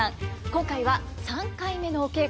今回は３回目のお稽古